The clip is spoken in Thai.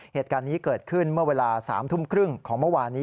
เหตุการณ์นี้เกิดขึ้นเมื่อเวลา๓ทุ่มครึ่งของเมื่อวานนี้